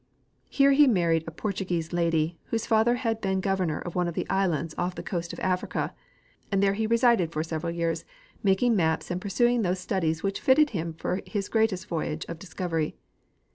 Here he married a Portuguese lad}^, Avhose father had been governor of one of the islands off the coast of Africa ; and there he resided for several years, making maps and pursuing those studies Avhich fitted him for his great vo3' age of discovery.